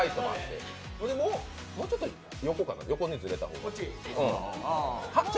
もうちょっと横かな横にズレた方が。